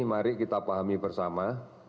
mari kita pahami bersama